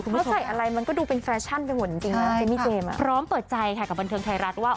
๒๔นิดนึงคุณผู้ชมค่ะใช่ค่ะพร้อมเปิดใจค่ะกับบรรเทิงไทยรัฐว่า